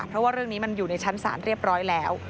เพราะว่าเรื่องนี้มันอยู่ในชั้นศาลเรียบร้อยแล้ว